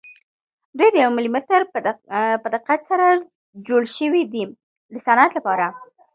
دوی د یو ملي متر په دقت سره جوړ شوي دي د صنعت لپاره.